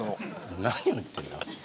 何を言ってるんだ。